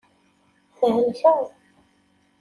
Thelkeḍ.